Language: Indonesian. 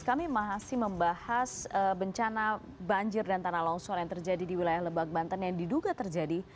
kami masih membahas bencana banjir dan tanah longsor yang terjadi di wilayah lebak banten yang diduga terjadi